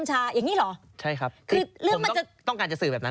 ใช่ครับ